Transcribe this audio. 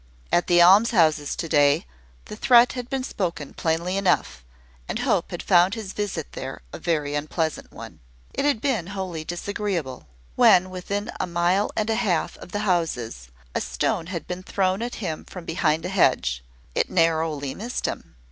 At the almshouses to day, the threat had been spoken plainly enough; and Hope had found his visit there a very unpleasant one. It had been wholly disagreeable. When within a mile and a half of the houses, a stone had been thrown at him from behind a hedge. It narrowly missed him.